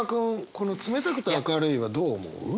この「冷たくて明るい」はどう思う？